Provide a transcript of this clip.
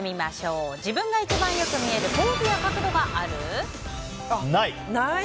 自分が一番よく見える“ポーズ”や“角度”がある？